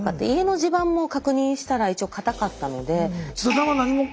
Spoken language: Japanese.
家の地盤も確認したら一応固かったので。